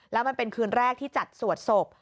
แล้วมันเป็นคืนแรกที่จัดสวดศพ